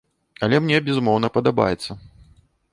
Але мне, безумоўна, падабаецца.